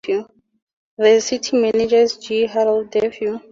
The City Manager is G. Harold Duffey.